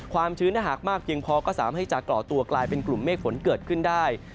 ความชื้นถ้าหากมากเพียงพอก็สามารถให้จะก่อตัวกลายเป็นกลุ่มเมฆฝนเกิดขึ้นได้